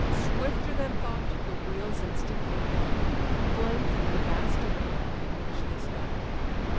Swifter than thought, the wheels instinctive fly, Flame through the vast of air, and reach the sky.